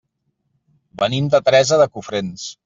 Venim de Teresa de Cofrents.